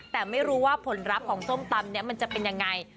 แต่ไม่รู้ว่าผลลัพธ์ของส้มตำนี้มันจะเป็นยังไง